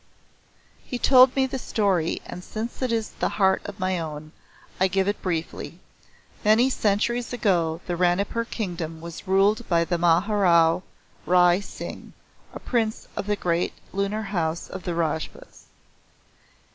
"He told me the story and since it is the heart of my own I give it briefly. Many centuries ago the Ranipur Kingdom was ruled by the Maharao Rai Singh a prince of the great lunar house of the Rajputs.